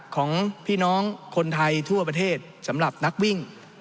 ของพี่น้องคนไทยทั่วประเทศสำหรับนักวิ่ง